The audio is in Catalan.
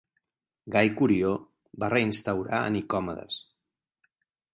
Gai Curió va reinstaurar a Nicomedes.